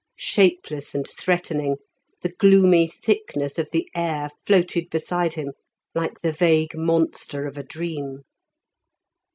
Shapeless and threatening, the gloomy thickness of the air floated beside him like the vague monster of a dream.